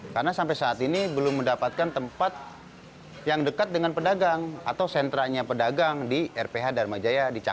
karena sampai saat ini belum mendapatkan tempat yang dekat dengan pedagang atau sentra nya